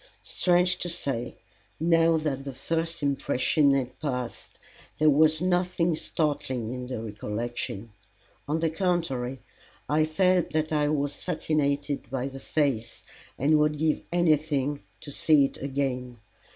Strange to say, now that the first impression had passed, there was nothing startling in the recollection; on the contrary, I felt that I was fascinated by the face, and would give anything to see it again.